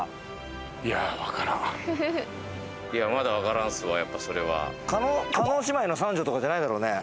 いやまだ分からんすわやっぱそれは。とかじゃないだろうね。